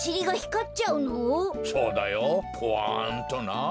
そうだよポワンとな。